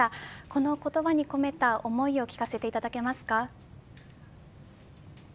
この言葉に込めた思いを聞かせていただけますか。